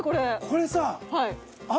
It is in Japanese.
これさ。